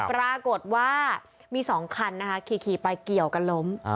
ปรากฏว่ามี๒คันนะคะขี่ไปเกี่ยวกันล้ม